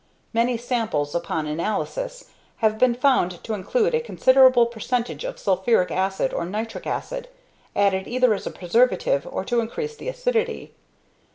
Many samples, upon analysis, have been found to include a considerable percentage of sulphuric acid, or nitric acid, added either as a preservative or to increase the acidity.